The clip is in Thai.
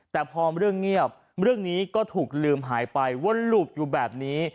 แต่พอเรื่องเงียบเรื่องนี้ก็ถูกลืมหายไปวนหลูบอยู่แบบนี้